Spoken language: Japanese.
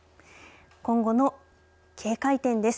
今後の警戒点です。